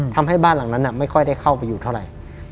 ทำให้บ้านหลังนั้นไม่ค่อยได้เข้าไปอยู่เท่าไหร่